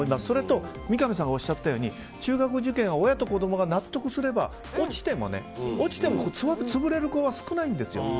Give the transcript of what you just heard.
それと、三上さんがおっしゃったように中学受験は親と子供が納得すれば落ちても潰れる子は少ないんですよ。